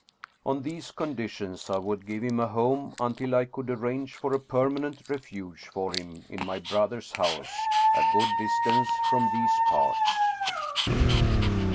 On these con ditions I would give him a home until I could arrange for a permanent refuge for him in my brother's house, a good distance from these parts.